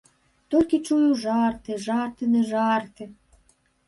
Толькі чую жарты, жарты ды жарты.